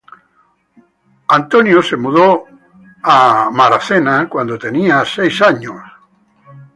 Burton se mudó a Lancashire cuando tenía seis años.